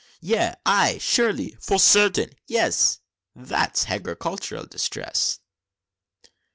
"Yea! aye! sure_ly_! for sartin! yes! That's Hagricultural Distress!"